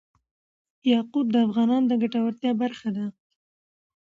یاقوت د افغانانو د ګټورتیا برخه ده.